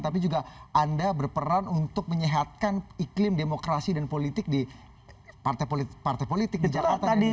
tapi juga anda berperan untuk menyehatkan iklim demokrasi dan politik di partai politik di jakarta dan di indonesia